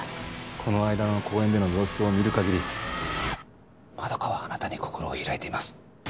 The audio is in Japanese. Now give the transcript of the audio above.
この間の公園での様子を見る限りまどかはあなたに心を開いています。